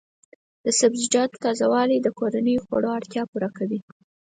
د سبزیجاتو تازه والي د کورنیو خوړو اړتیا پوره کوي.